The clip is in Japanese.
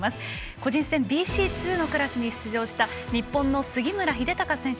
個人戦ＢＣ２のクラスに出場した日本の杉村英孝選手。